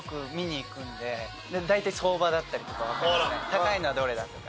高いのはどれだとか。